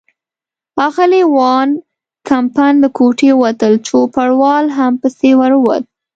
اغلې وان کمپن له کوټې ووتل، چوپړوال هم پسې ور ووت.